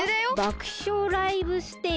「爆笑ライブステージ。